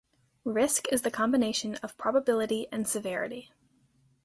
Risk is the combination of probability and severity.